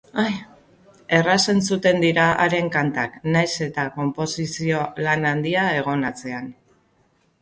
Erraz entzuten dira haren kantak, nahiz eta konposizio lan handia egon atzean.